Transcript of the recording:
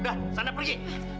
udah sana pergi